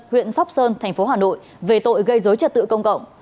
huyện sóc sơn tp hà nội về tội gây dối trật tự công cộng